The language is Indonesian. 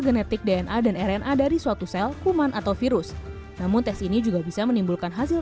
genetik dna dan rna dari suatu sel kuman atau virus namun tes ini juga bisa menimbulkan hasil